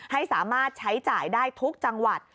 ให้สามารถใช้จ่ายได้ทุกจังหวัด